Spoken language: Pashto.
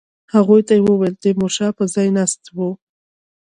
هغوی ته یې وویل تیمورشاه به ځای ناستی وي.